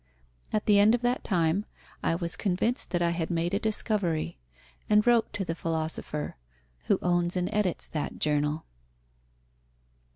At the end of that time I was convinced that I had made a discovery, and wrote to the philosopher, who owns and edits that journal.